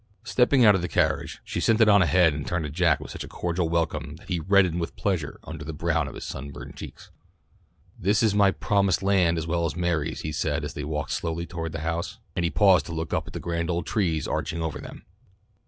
Stepping out of the carriage, she sent it on ahead and turned to Jack with such a cordial welcome that he reddened with pleasure under the brown of his sunburned cheeks. "This is my 'Promised Land' as well as Mary's," he said as they walked slowly towards the house, and he paused to look up at the grand old trees arching over them.